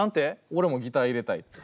俺もギター入れたいって。